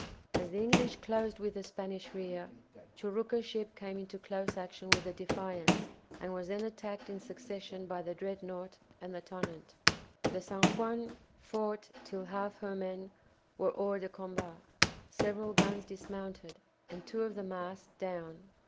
As the English closed with the Spanish rear, Churucca's ship came into close action with the "Defiance," and was then attacked in succession by the "Dreadnought" and the "Tonnant." The "San Juan" fought till half her men were hors de combat, several guns dismounted, and two of the masts down.